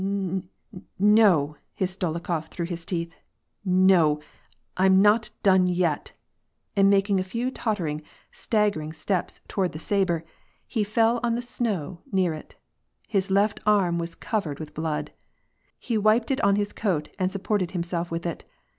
" N — no," hissed Dolokhof through his teeth, " No, Fm not done yet," and making a few tottering, staggering steps toward the sabre, he fell on the snow, near it. His left arm was covered with blood. He wiped it on his coat and sup ported himself with it.